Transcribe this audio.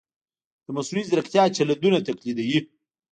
د مصنوعي ځیرکتیا چلندونه تقلیدوي.